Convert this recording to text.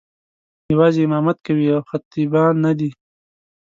یوازې امامت کوي او خطیبان نه دي.